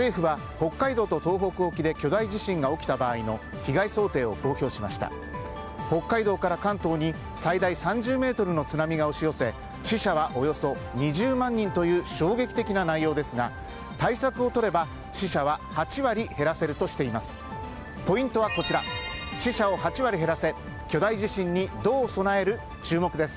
北海道から関東に最大３０ｍの津波が押し寄せ死者はおよそ２０万人という衝撃的な内容ですが対策をとれば死者は８割減らせるとしています。